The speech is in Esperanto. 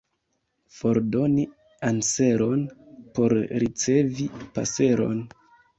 Fordoni anseron, por ricevi paseron.